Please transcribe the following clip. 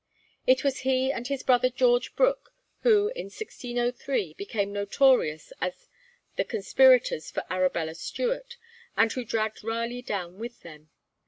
It was he and his brother George Brooke who in 1603 became notorious as the conspirators for Arabella Stuart, and who dragged Raleigh down with them.